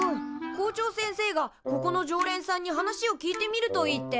校長先生が「ここの常連さんに話を聞いてみるといい」って。